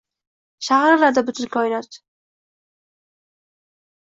Shag’irlardi butun koinot